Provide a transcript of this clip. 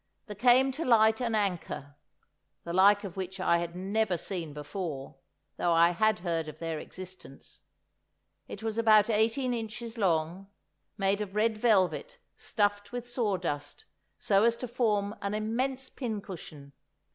There came to light an anchor, the like of which I had never seen before, though I had heard of their existence. It was about eighteen inches long, made of red velvet stuffed with sawdust so as to form an immense pin cushion.